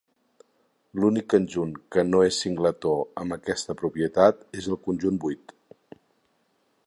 L'únic conjunt que no és singletó amb aquesta propietat és el conjunt buit.